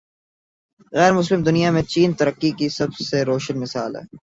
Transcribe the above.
غیر مسلم دنیا میں چین ترقی کی سب سے روشن مثال ہے۔